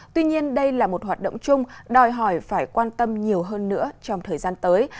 tuy nhiên đây là một hoạt động chung đòi hỏi phải quan tâm nhiều hơn nữa trong thời gian tới